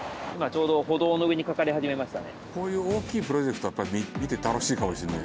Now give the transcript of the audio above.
こういう大きいプロジェクトはやっぱり見て楽しいかもしれない。